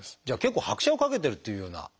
じゃあ結構拍車をかけてるっていうような。